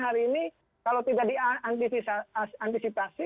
hari ini kalau tidak diantisipasi